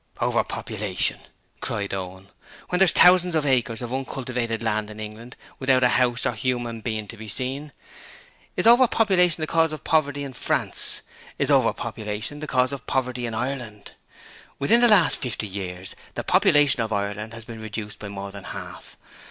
'Over population!' cried Owen, 'when there's thousands of acres of uncultivated land in England without a house or human being to be seen. Is over population the cause of poverty in France? Is over population the cause of poverty in Ireland? Within the last fifty years the population of Ireland has been reduced by more than half.